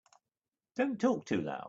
Don't talk too loud.